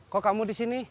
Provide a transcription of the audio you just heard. kok kamu disini